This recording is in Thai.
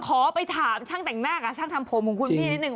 ขอไปถามช่างแต่งหน้ากับช่างทำผมของคุณพี่นิดนึ